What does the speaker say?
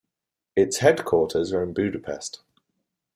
Its headquarters are in Budapest.